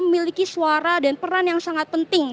memiliki suara dan peran yang sangat penting